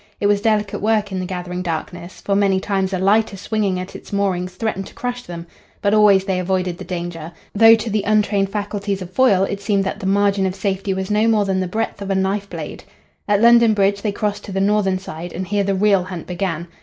It was delicate work in the gathering darkness, for many times a lighter swinging at its moorings threatened to crush them; but always they avoided the danger, though to the untrained faculties of Foyle it seemed that the margin of safety was no more than the breadth of a knife blade. At London Bridge they crossed to the northern side, and here the real hunt began.